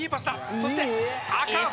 そして赤穂。